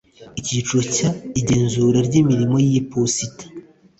Icyiciro cya Igenzura ry imirimo y iposita